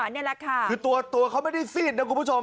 นี่แหละค่ะคือตัวเขาไม่ได้ซีดนะคุณผู้ชม